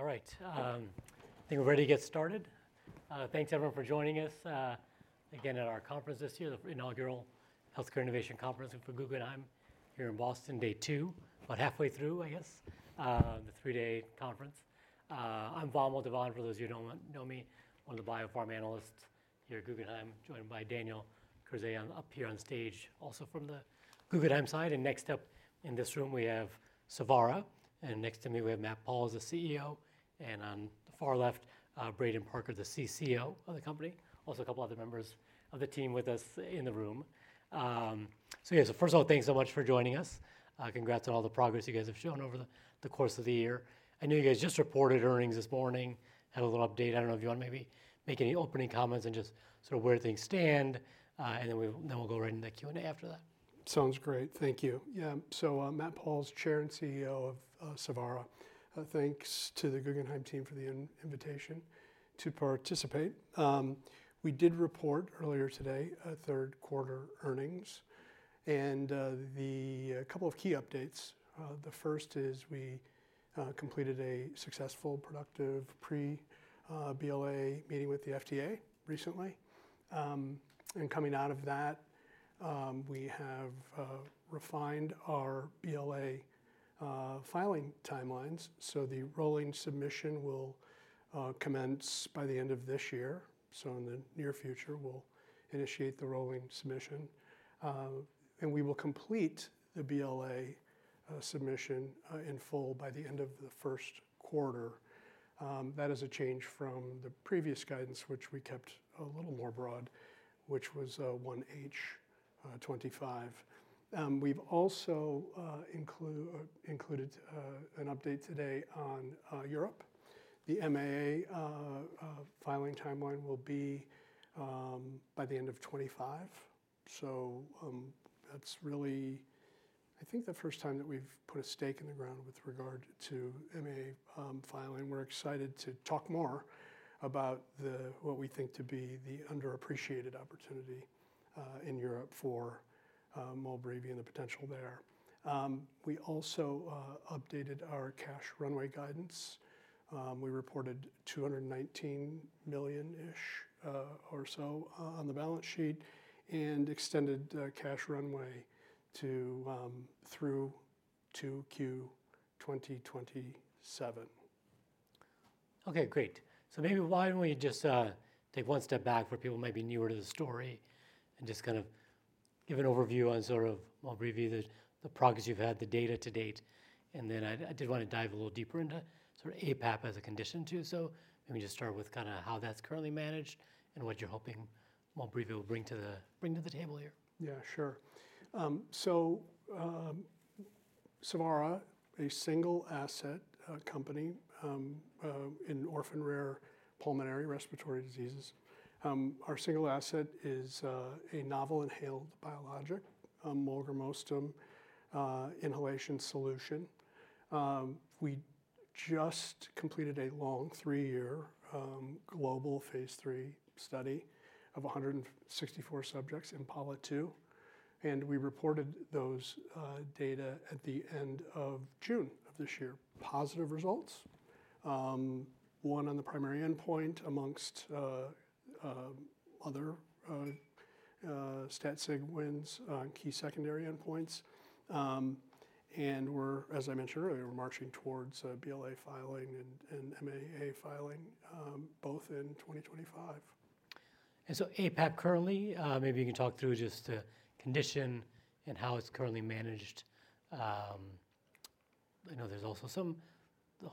All right. I think we're ready to get started. Thanks, everyone, for joining us again at our conference this year, the inaugural Healthcare Innovation Conference for Guggenheim Securities and I'm here in Boston, day two, about halfway through, I guess, the three-day conference. I'm Vamil Divan, for those of you who don't know me, one of the biopharma analysts here at Guggenheim Securities and I'm joined by Daniel Crossett, up here on stage, also from the Guggenheim Securities and my side. And next up in this room, we have Savara. And next to me, we have Matt Pauls, the CEO. And on the far left, Braden Parker, the CCO of the company. Also, a couple other members of the team with us in the room. So yeah, so first of all, thanks so much for joining us. Congrats on all the progress you guys have shown over the course of the year. I know you guys just reported earnings this morning, had a little update. I don't know if you want to maybe make any opening comments and just sort of where things stand, and then we'll go right into the Q&A after that. Sounds great. Thank you. Yeah, so Matt Pauls, Chair and CEO of Savara. Thanks to the Guggenheim and its team for the invitation to participate. We did report earlier today third quarter earnings, and a couple of key updates. The first is we completed a successful, productive pre-BLA meeting with the FDA recently, and coming out of that, we have refined our BLA filing timelines, so the rolling submission will commence by the end of this year. So in the near future, we'll initiate the rolling submission, and we will complete the BLA submission in full by the end of the first quarter. That is a change from the previous guidance, which we kept a little more broad, which was 1H 2025. We've also included an update today on Europe. The MAA filing timeline will be by the end of 2025. So that's really, I think, the first time that we've put a stake in the ground with regard to MAA filing. We're excited to talk more about what we think to be the underappreciated opportunity in Europe for Molbreevi and the potential there. We also updated our cash runway guidance. We reported $219 million-ish or so on the balance sheet and extended cash runway through Q2027. Okay, great, so maybe why don't we just take one step back for people who might be newer to the story and just kind of give an overview on sort of Molbreevi, the progress you've had, the data to date. And then I did want to dive a little deeper into sort of aPAP as a condition, too, so let me just start with kind of how that's currently managed and what you're hoping Molbreevi will bring to the table here. Yeah, sure. So Savara, a single-asset company in orphan rare pulmonary respiratory diseases. Our single asset is a novel inhaled biologic, molgramostim inhalation solution. We just completed a long three-year global phase three study of 164 subjects in IMPALA-2. And we reported those data at the end of June of this year. Positive results. Won on the primary endpoint among other stat-sig wins, key secondary endpoints. And we're, as I mentioned earlier, we're marching towards BLA filing and MAA filing, both in 2025. And so aPAP currently, maybe you can talk through just the condition and how it's currently managed. I know there's also some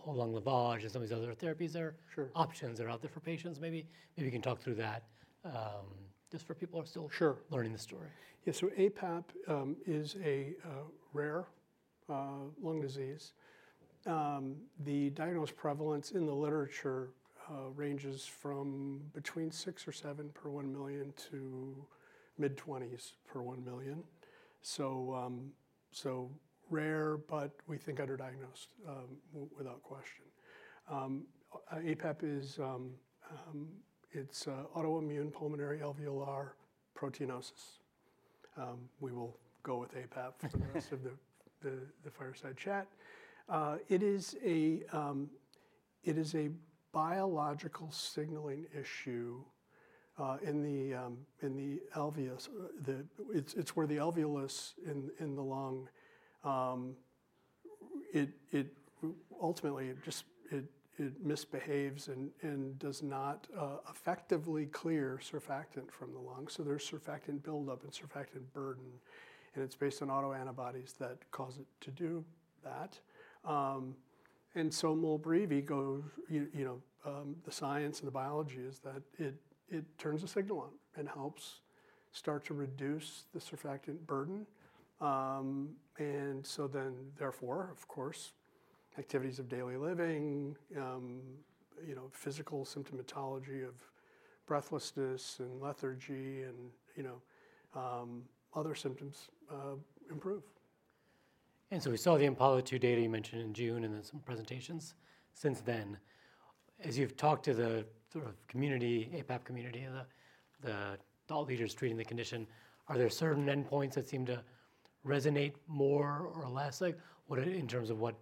lung lavage and some of these other therapies or options that are out there for patients. Maybe you can talk through that just for people who are still learning the story. Yeah, so aPAP is a rare lung disease. The diagnosed prevalence in the literature ranges from between six or seven per one million to mid-20s per one million. So rare, but we think underdiagnosed, without question. aPAP. It's autoimmune pulmonary alveolar proteinosis. We will go with aPAP for the rest of the fireside chat. It is a biological signaling issue in the alveolus. It's where the alveolus in the lung, it ultimately just misbehaves and does not effectively clear surfactant from the lung. So there's surfactant buildup and surfactant burden. And it's based on autoantibodies that cause it to do that. And so Molbreevi goes, the science and the biology is that it turns a signal on and helps start to reduce the surfactant burden. And so then, therefore, of course, activities of daily living, physical symptomatology of breathlessness and lethargy and other symptoms improve. And so we saw the IMPALA-2 data you mentioned in June and then some presentations since then. As you've talked to the sort of community, aPAP community, the thought leaders treating the condition, are there certain endpoints that seem to resonate more or less? In terms of what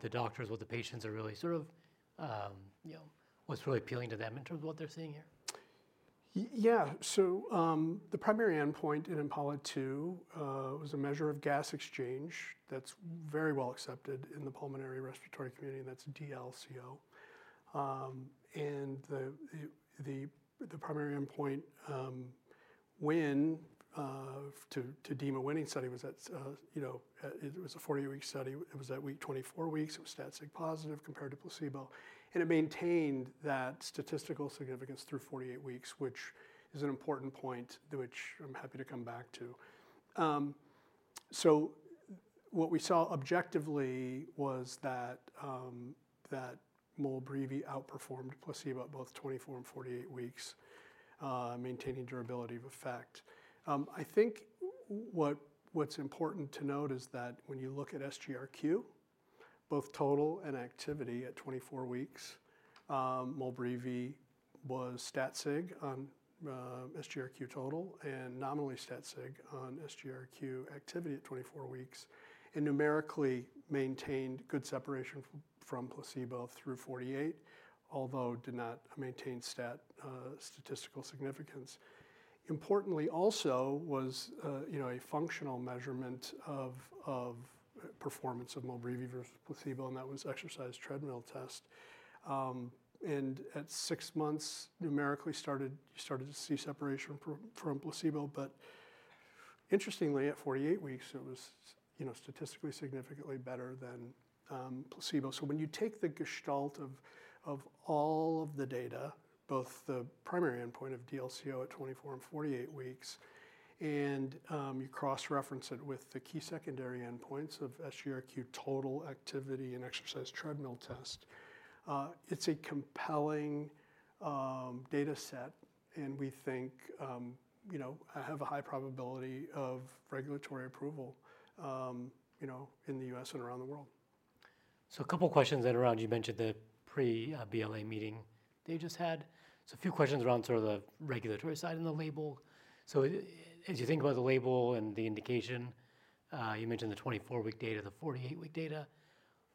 the doctors, what the patients are really sort of, what's really appealing to them in terms of what they're seeing here? Yeah, so the primary endpoint in IMPALA-2 was a measure of gas exchange that's very well accepted in the pulmonary respiratory community. And that's DLCO. And the primary endpoint win to deem a winning study was that it was a 40-week study. It was at week 24. It was stat-sig positive compared to placebo. And it maintained that statistical significance through 48 weeks, which is an important point to which I'm happy to come back to. So what we saw objectively was that Molbreevi outperformed placebo at both 24 and 48 weeks, maintaining durability of effect. I think what's important to note is that when you look at SGRQ, both total and activity at 24 weeks, Molbreevi was stat-sig on SGRQ total and nominally stat-sig on SGRQ activity at 24 weeks. And numerically maintained good separation from placebo through 48, although did not maintain statistical significance. Importantly also was a functional measurement of performance of Molbreevi versus placebo. And that was exercise treadmill test. And at six months, numerically started to see separation from placebo. But interestingly, at 48 weeks, it was statistically significantly better than placebo. So when you take the gestalt of all of the data, both the primary endpoint of DLCO at 24 and 48 weeks, and you cross-reference it with the key secondary endpoints of SGRQ total activity and exercise treadmill test, it's a compelling data set. And we think I have a high probability of regulatory approval in the U.S. and around the world. A couple of questions around what you mentioned, the pre-BLA meeting they just had. A few questions around sort of the regulatory side and the label. As you think about the label and the indication, you mentioned the 24-week data, the 48-week data.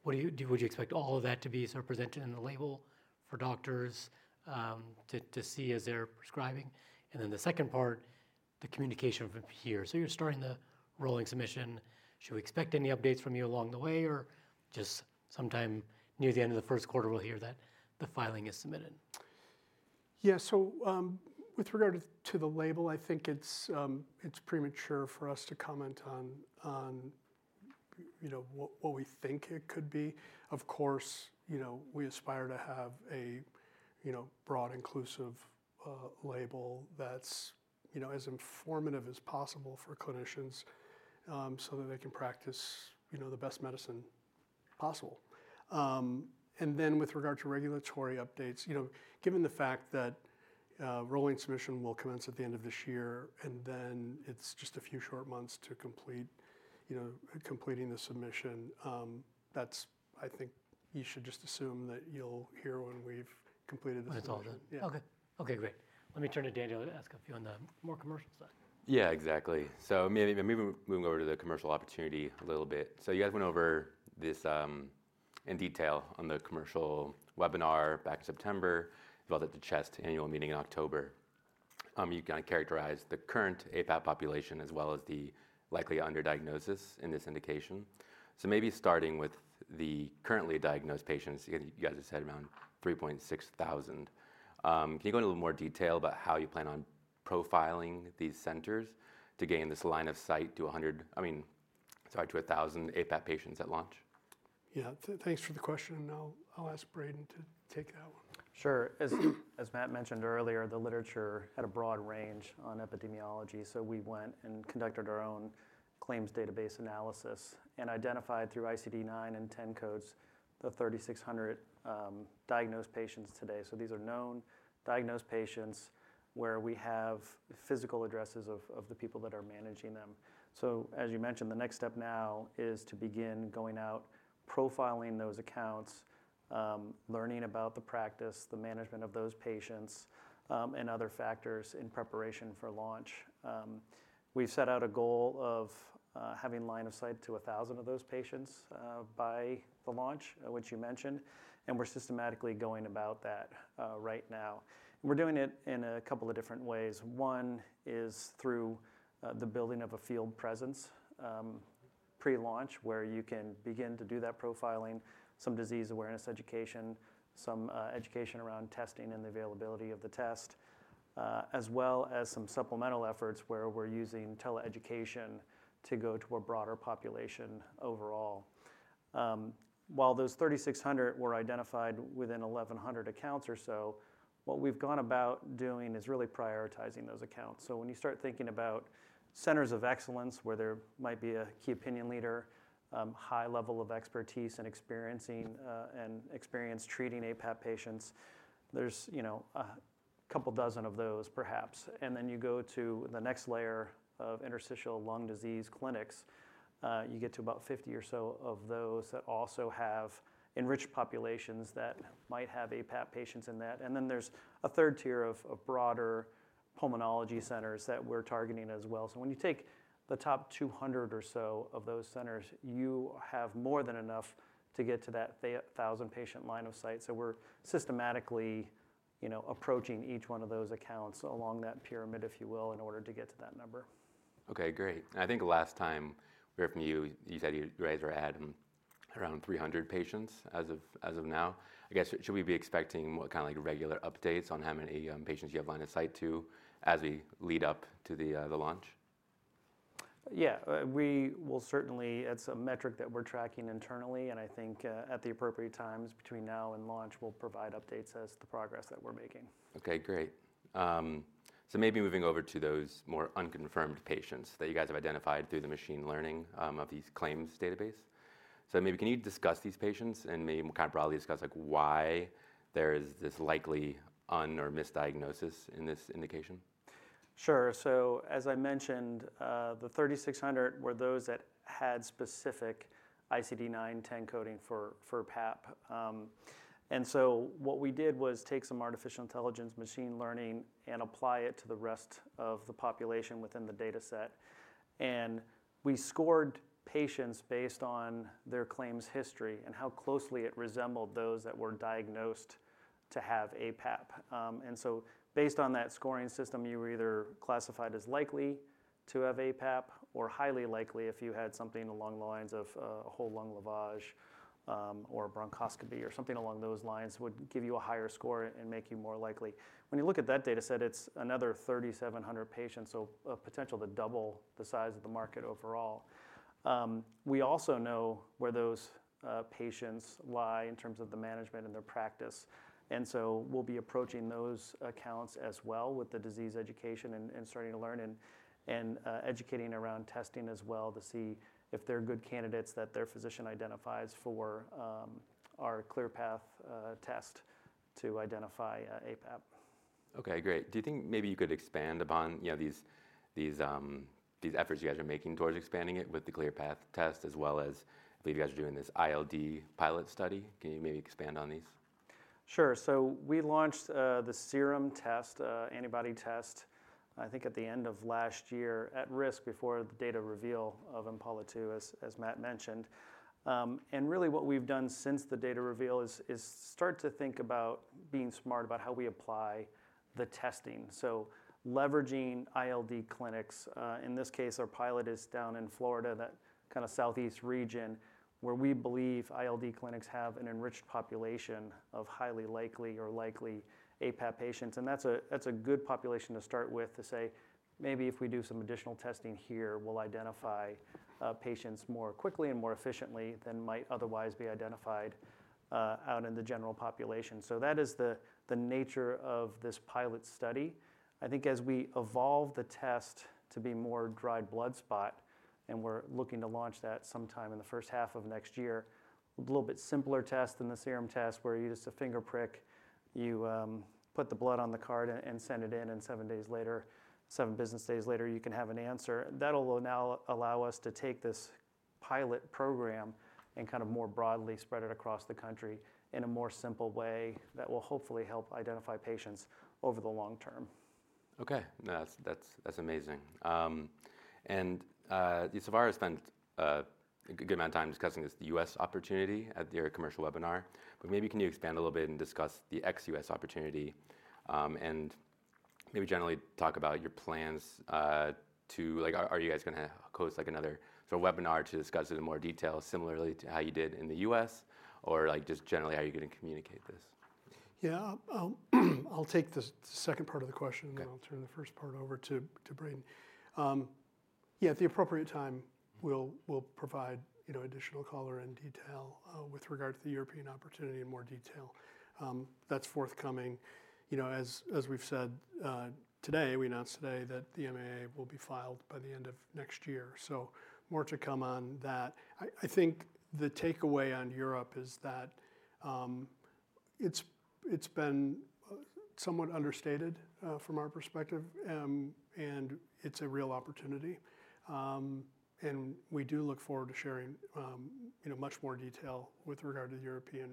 What do you expect all of that to be sort of presented in the label for doctors to see as they're prescribing? And then the second part, the communication from here. You're starting the rolling submission. Should we expect any updates from you along the way or just sometime near the end of the first quarter we'll hear that the filing is submitted? Yeah, so with regard to the label, I think it's premature for us to comment on what we think it could be. Of course, we aspire to have a broad, inclusive label that's as informative as possible for clinicians so that they can practice the best medicine possible. And then with regard to regulatory updates, given the fact that rolling submission will commence at the end of this year, and then it's just a few short months to completing the submission, that's I think you should just assume that you'll hear when we've completed the submission. That's all done? Yeah. Okay great. Let me turn to Daniel and ask a few on the more commercial side. Yeah, exactly. So maybe moving over to the commercial opportunity a little bit. So you guys went over this in detail on the commercial webinar back in September, delivered at the CHEST annual meeting in October. You kind of characterized the current aPAP population as well as the likely underdiagnosis in this indication. So maybe starting with the currently diagnosed patients, you guys just had around 3.6 thousand. Can you go into a little more detail about how you plan on profiling these centers to gain this line of sight to 100, I mean, sorry, to 1,000 aPAP patients at launch? Yeah, thanks for the question. And I'll ask Braden to take that one. Sure. As Matt mentioned earlier, the literature had a broad range on epidemiology. So we went and conducted our own claims database analysis and identified through ICD-9 and ICD-10 codes the 3,600 diagnosed patients today. So these are known diagnosed patients where we have physical addresses of the people that are managing them. So as you mentioned, the next step now is to begin going out, profiling those accounts, learning about the practice, the management of those patients, and other factors in preparation for launch. We've set out a goal of having line of sight to 1,000 of those patients by the launch, which you mentioned. And we're systematically going about that right now. And we're doing it in a couple of different ways. One is through the building of a field presence pre-launch where you can begin to do that profiling, some disease awareness education, some education around testing and the availability of the test, as well as some supplemental efforts where we're using tele-education to go to a broader population overall. While those 3,600 were identified within 1,100 accounts or so, what we've gone about doing is really prioritizing those accounts. So when you start thinking about centers of excellence where there might be a key opinion leader, high level of expertise and experience treating aPAP patients, there's a couple dozen of those, perhaps. And then you go to the next layer of interstitial lung disease clinics. You get to about 50 or so of those that also have enriched populations that might have aPAP patients in that. There’s a third tier of broader pulmonology centers that we're targeting as well. When you take the top 200 or so of those centers, you have more than enough to get to that 1,000-patient line of sight. We're systematically approaching each one of those accounts along that pyramid, if you will, in order to get to that number. OK, great. And I think last time we heard from you, you said you guys were adding around 300 patients as of now. I guess should we be expecting what kind of regular updates on how many patients you have line of sight to as we lead up to the launch? Yeah, we will certainly, it's a metric that we're tracking internally. And I think at the appropriate times between now and launch, we'll provide updates as to the progress that we're making. OK, great. So maybe moving over to those more unconfirmed patients that you guys have identified through the machine learning of these claims database. So maybe can you discuss these patients and maybe kind of broadly discuss why there is this likely under- or misdiagnosis in this indication? Sure. So as I mentioned, the 3,600 were those that had specific ICD-9 and ICD-10 coding for aPAP. And so what we did was take some artificial intelligence, machine learning, and apply it to the rest of the population within the data set. And we scored patients based on their claims history and how closely it resembled those that were diagnosed to have aPAP. And so based on that scoring system, you were either classified as likely to have aPAP or highly likely if you had something along the lines of a whole lung lavage or bronchoscopy or something along those lines would give you a higher score and make you more likely. When you look at that data set, it's another 3,700 patients, so a potential to double the size of the market overall. We also know where those patients lie in terms of the management and their practice. We'll be approaching those accounts as well with the disease education and starting to learn and educating around testing as well to see if they're good candidates that their physician identifies for our ClearPath test to identify aPAP. OK, great. Do you think maybe you could expand upon these efforts you guys are making towards expanding it with the ClearPath test as well as I believe you guys are doing this ILD pilot study? Can you maybe expand on these? Sure. So we launched the serum test, antibody test, I think at the end of last year at risk before the data reveal of IMPAALA-2, as Matt mentioned. And really what we've done since the data reveal is start to think about being smart about how we apply the testing. So leveraging ILD clinics. In this case, our pilot is down in Florida, that kind of southeast region where we believe ILD clinics have an enriched population of highly likely or likely aPAP patients. And that's a good population to start with to say, maybe if we do some additional testing here, we'll identify patients more quickly and more efficiently than might otherwise be identified out in the general population. So that is the nature of this pilot study. I think as we evolve the test to be more dried blood spot, and we're looking to launch that sometime in the first half of next year, a little bit simpler test than the serum test where you just a finger prick, you put the blood on the card and send it in, and seven days later, seven business days later, you can have an answer. That'll now allow us to take this pilot program and kind of more broadly spread it across the country in a more simple way that will hopefully help identify patients over the long term. OK, that's amazing, and Savara spent a good amount of time discussing this U.S. opportunity at your commercial webinar, but maybe can you expand a little bit and discuss the ex-U.S. opportunity and maybe generally talk about your plans to, are you guys going to host another sort of webinar to discuss it in more detail similarly to how you did in the U.S.? Or just generally, how are you going to communicate this? Yeah, I'll take the second part of the question, and then I'll turn the first part over to Braden. Yeah, at the appropriate time, we'll provide additional color and detail with regard to the European opportunity in more detail. That's forthcoming. As we've said today, we announced today that the MAA will be filed by the end of next year. So more to come on that. I think the takeaway on Europe is that it's been somewhat understated from our perspective. And it's a real opportunity. And we do look forward to sharing much more detail with regard to European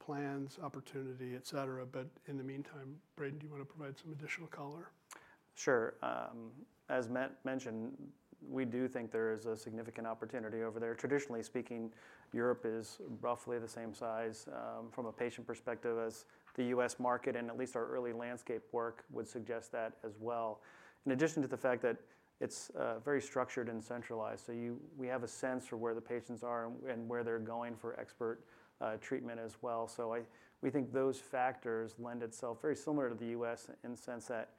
plans, opportunity, et cetera. But in the meantime, Braden, do you want to provide some additional color? Sure. As Matt mentioned, we do think there is a significant opportunity over there. Traditionally speaking, Europe is roughly the same size from a patient perspective as the U.S. market, and at least our early landscape work would suggest that as well. In addition to the fact that it's very structured and centralized, so we have a sense for where the patients are and where they're going for expert treatment as well, so we think those factors lend itself very similar to the U.S. in the sense that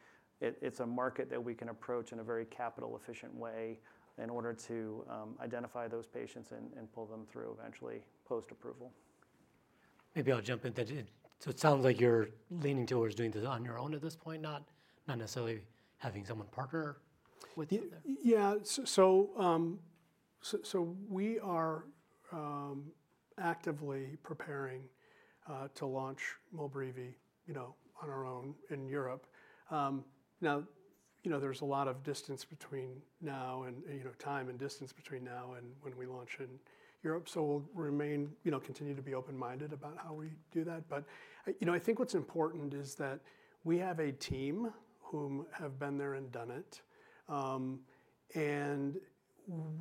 it's a market that we can approach in a very capital efficient way in order to identify those patients and pull them through eventually post approval. Maybe I'll jump in. So it sounds like you're leaning towards doing this on your own at this point, not necessarily having someone partner with you? Yeah. So we are actively preparing to launch Molbreevi on our own in Europe. Now, there's a lot of distance between now and time and distance between now and when we launch in Europe. So we'll continue to be open-minded about how we do that. But I think what's important is that we have a team who have been there and done it. And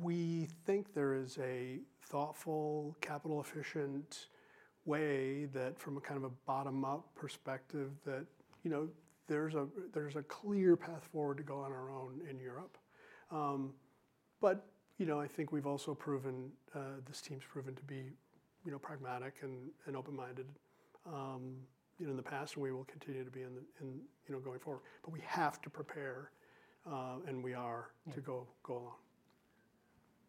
we think there is a thoughtful, capital efficient way that from a kind of a bottom-up perspective that there's a clear path forward to go on our own in Europe. But I think we've also proven, this team's proven to be pragmatic and open-minded in the past, and we will continue to be going forward. But we have to prepare, and we are to go along.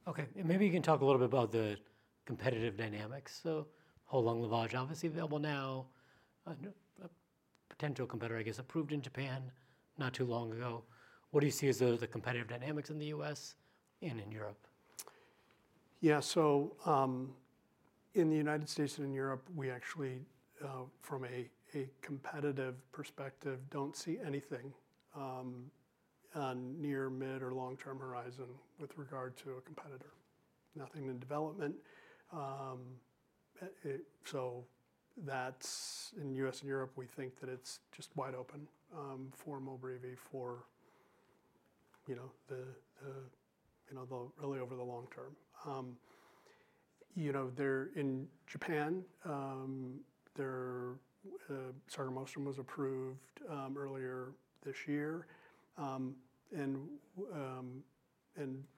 OK. And maybe you can talk a little bit about the competitive dynamics. So whole lung lavage obviously available now, potential competitor, I guess, approved in Japan not too long ago. What do you see as the competitive dynamics in the U.S. and in Europe? Yeah, so in the United States and in Europe, we actually, from a competitive perspective, don't see anything on near, mid, or long-term horizon with regard to a competitor. Nothing in development. So that's in the U.S. and Europe, we think that it's just wide open for Molbrivi for really over the long term. In Japan, Sargramostim was approved earlier this year. And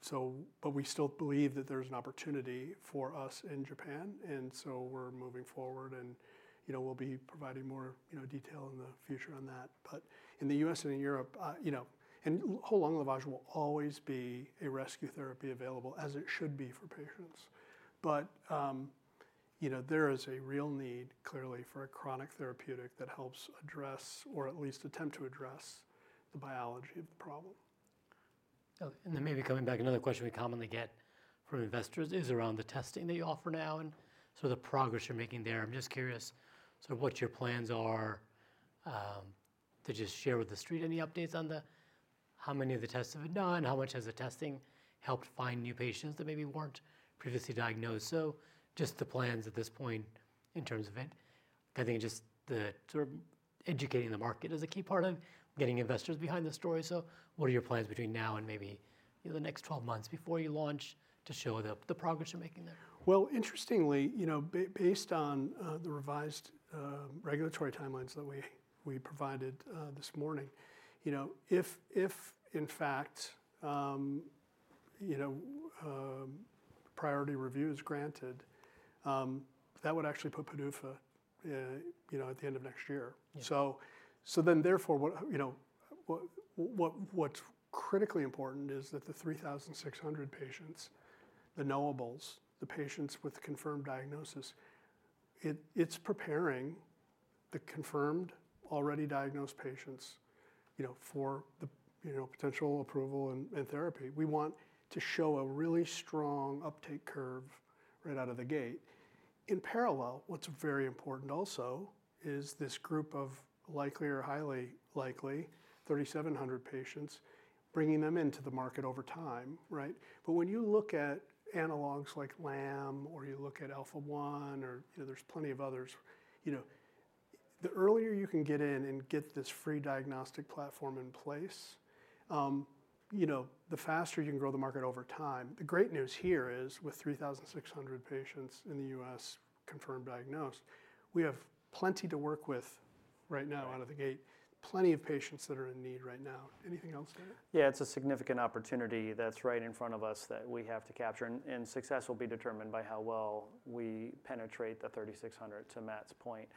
so, but we still believe that there's an opportunity for us in Japan. And so we're moving forward. And we'll be providing more detail in the future on that. But in the U.S. and in Europe, whole lung lavage will always be a rescue therapy available as it should be for patients. But there is a real need clearly for a chronic therapeutic that helps address or at least attempt to address the biology of the problem. And then maybe coming back, another question we commonly get from investors is around the testing that you offer now and sort of the progress you're making there. I'm just curious sort of what your plans are to just share with the street any updates on how many of the tests have been done, how much has the testing helped find new patients that maybe weren't previously diagnosed. So just the plans at this point in terms of it. I think just the sort of educating the market is a key part of getting investors behind the story. So what are your plans between now and maybe the next 12 months before you launch to show the progress you're making there? Interestingly, based on the revised regulatory timelines that we provided this morning, if in fact priority review is granted, that would actually put PDUFA at the end of next year. So then therefore, what's critically important is that the 3,600 patients, the knowables, the patients with confirmed diagnosis, it's preparing the confirmed, already diagnosed patients for potential approval and therapy. We want to show a really strong uptake curve right out of the gate. In parallel, what's very important also is this group of likely or highly likely 3,700 patients, bringing them into the market over time. But when you look at analogs like LAM, or you look at Alpha-1, or there's plenty of others, the earlier you can get in and get this free diagnostic platform in place, the faster you can grow the market over time. The great news here is with 3,600 patients in the U.S. confirmed diagnosed, we have plenty to work with right now out of the gate, plenty of patients that are in need right now. Anything else there? Yeah, it's a significant opportunity that's right in front of us that we have to capture. And success will be determined by how well we penetrate the 3,600 to Matt's point.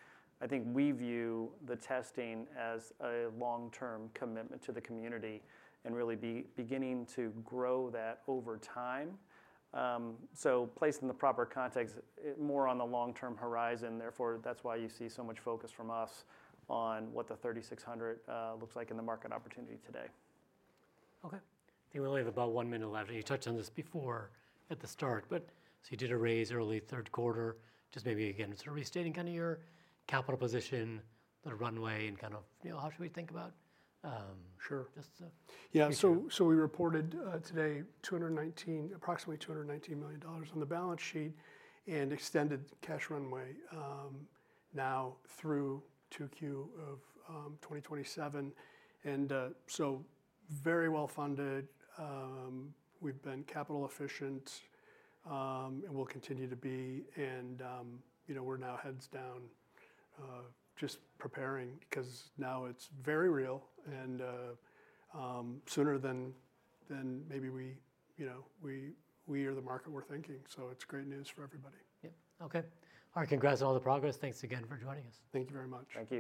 I think we view the testing as a long-term commitment to the community and really beginning to grow that over time. So placed in the proper context, more on the long-term horizon. Therefore, that's why you see so much focus from us on what the 3,600 looks like in the market opportunity today. OK. I think we only have about one minute left. You touched on this before at the start. But so you did a raise early third quarter, just maybe again sort of restating kind of your capital position, the runway, and kind of how should we think about. Sure. Yeah, so we reported today approximately $219 million on the balance sheet and extended cash runway now through Q2 of 2027. And so very well funded. We've been capital efficient and will continue to be. And we're now heads down just preparing because now it's very real. And sooner than maybe we or the market we're thinking. So it's great news for everybody. Yeah. OK. All right, congrats on all the progress. Thanks again for joining us. Thank you very much.